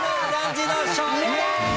次の勝利！